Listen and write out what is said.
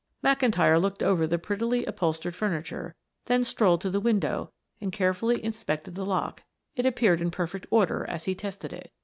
McIntyre looked over the prettily upholstered furniture, then strolled to the window and carefully inspected the lock; it appeared in perfect order as he tested it.